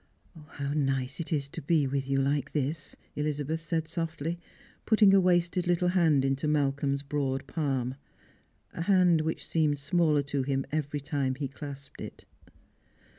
" How nice it is to be with you like this !" Elizabeth said softly, putting a wasted httle hand into Malcolm's broad palm, a hand which seemed smaller to him every time he clasped it.